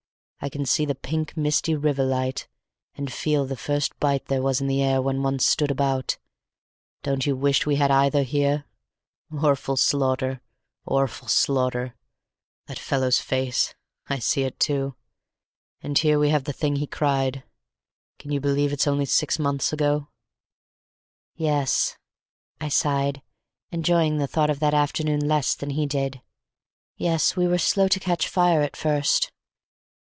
I can see the pink, misty river light, and feel the first bite there was in the air when one stood about; don't you wish we had either here! 'Orful slorter, orful slorter;' that fellow's face, I see it too; and here we have the thing he cried. Can you believe it's only six months ago?" "Yes," I sighed, enjoying the thought of that afternoon less than he did; "yes, we were slow to catch fire at first."